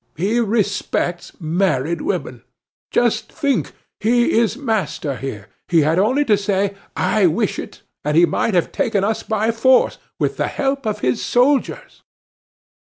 He respects married women. Just think. He is master here. He had only to say: 'I wish it!' and he might have taken us by force, with the help of his soldiers."